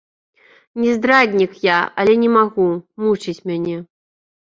Не здраднік я, але не магу, мучыць мяне.